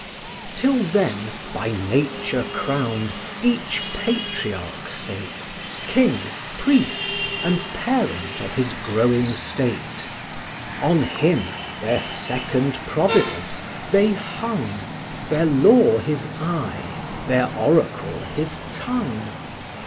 VI. Till then, by Nature crowned, each patriarch sate, King, priest, and parent of his growing state; On him, their second providence, they hung, Their law his eye, their oracle his tongue.